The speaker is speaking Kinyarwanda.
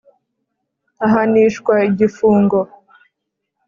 Ahanishwa igifungo.